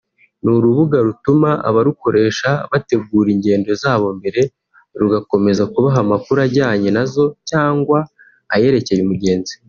Ni urubuga rutuma abarukoresha bategura ingendo zabo mbere rugakomeza kubaha amakuru ajyanye nazo cyangwa ayerekeye umugenzi